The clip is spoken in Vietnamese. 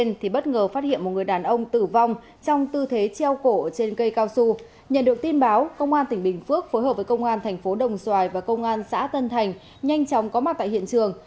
nhận được tin báo công an tỉnh bình phước phối hợp với công an thành phố đồng xoài và công an xã tân thành nhanh chóng có mặt tại hiện trường